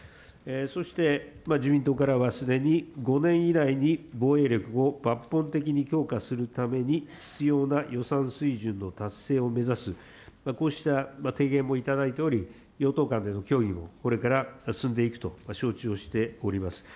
そして自民党からはすでに５年以内に防衛力を抜本的に強化するために必要な予算水準の達成を目指す、こうした提言もいただいており、与党間での協議もこれから進んでいくと承知をしております。